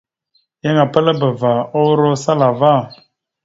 Yan apəlabava uro asala ava.